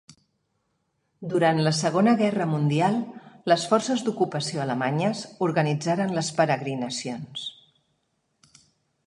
Durant la Segona Guerra Mundial, les forces d'ocupació alemanyes organitzaren les peregrinacions.